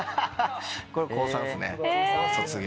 これ高３っすね卒業。